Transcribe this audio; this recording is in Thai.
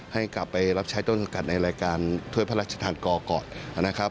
ให้กลับไปรับใช้ต้นสังกัดในรายการถ้วยพระราชทานกอก่อนนะครับ